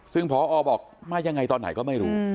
ซึ่งพอบอกมายังไงตอนไหนก็ไม่รู้